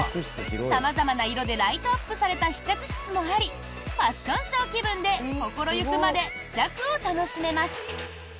様々な色でライトアップされた試着室もありファッションショー気分で心行くまで試着を楽しめます。